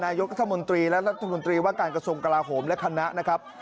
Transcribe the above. นายกรัฐมนตรีและรัฐมนตรีว่าการกระทรวงกลาโหมและคณะนะครับ